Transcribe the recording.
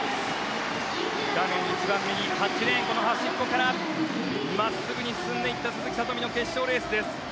画面一番右、８レーンのこの端っこから真っすぐに進んでいった鈴木聡美の決勝レースです。